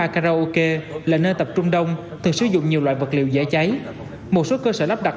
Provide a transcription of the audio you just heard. karaoke là nơi tập trung đông thường sử dụng nhiều loại vật liệu dễ cháy một số cơ sở lắp đặt